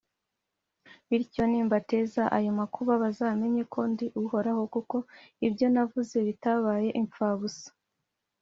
Bityo nimbateza ayo makuba, bazamenye ko ndi Uhoraho kuko ibyo navuze bitabaye imfabusa